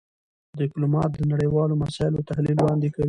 ډيپلومات د نړېوالو مسایلو تحلیل وړاندې کوي.